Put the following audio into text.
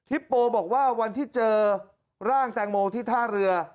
โปบอกว่าวันที่เจอร่างแตงโมที่ท่าเรือ